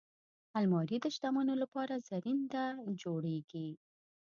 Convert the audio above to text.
الماري د شتمنو لپاره زرینده جوړیږي